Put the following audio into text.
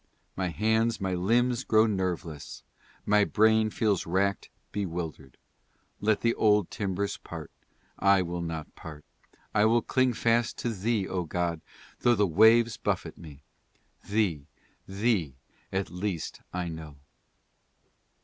" My hands, my limbs grow nerveless, My brain feels rack'd, bewilder'd, Let the old timbers part, I will not part, I will cling fast to Thee, O God, though the waves buffet me, Thee, Thee at least I know."